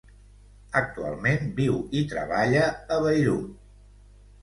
Actualment viu i treballa a Beirut.